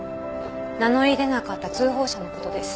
名乗り出なかった通報者のことです。